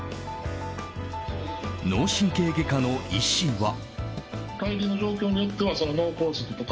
脳神経外科の医師は。